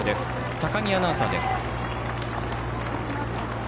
高木アナウンサーです。